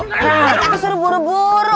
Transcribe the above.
aku suruh buru buru